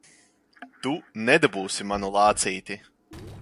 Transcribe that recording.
Tu nedabūsi manu lācīti!